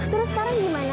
terus sekarang gimana